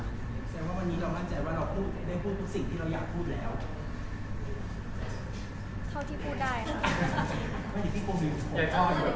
แสดงว่าวันนี้เรามั่นใจว่าเราได้พูดทุกสิ่งที่เราอยากพูดแล้ว